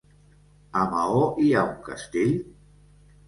A Maó hi ha un castell?